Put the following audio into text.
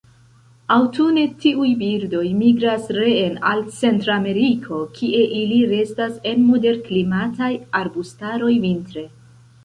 Aŭtune tiuj birdoj migras reen al Centrameriko, kie ili restas en moderklimataj arbustaroj vintre.